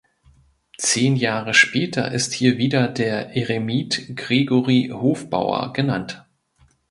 Zehn Jahre später ist hier wieder der Eremit Gregori Hofbauer genannt.